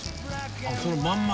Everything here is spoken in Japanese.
あっそのまんま？